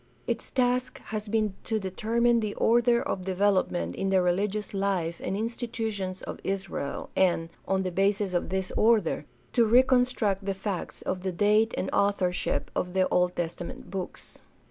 Its task has been to determine the order of develop ment in the religious life and institutions of Israel, and, on the'basis of this order, to reconstruct the facts of the date and authorship of Old Testament books.